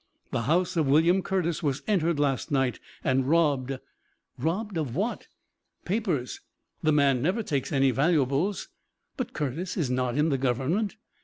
"The house of William Curtis was entered last night and robbed." "Robbed of what?" "Papers. The man never takes any valuables." "But Curtis is not in the government!"